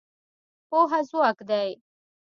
پوهه ځواک دی.